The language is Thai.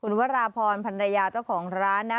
วราพรพันรยาเจ้าของร้านนะ